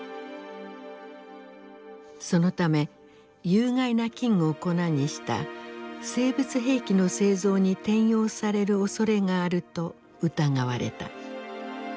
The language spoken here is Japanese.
そのため有害な菌を粉にした生物兵器の製造に転用されるおそれがあると疑われた。